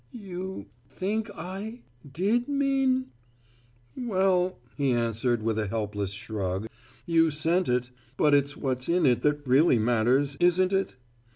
"You think I did mean " "Well," he answered, with a helpless shrug, "you sent it! But it's what's in it that really matters, isn't it?